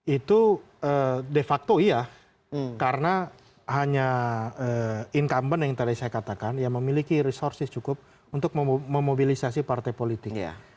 itu de facto iya karena hanya incumbent yang tadi saya katakan ya memiliki resources cukup untuk memobilisasi partai politik